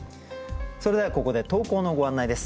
それではここで投稿のご案内です。